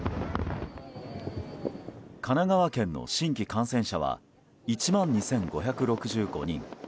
神奈川県の新規感染者は１万２５６５人。